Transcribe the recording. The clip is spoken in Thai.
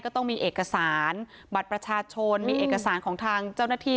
ต้องมีเอกสารบัตรประชาชนมีเอกสารของทางเจ้าหน้าที่